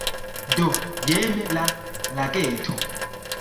Do, jen la lageto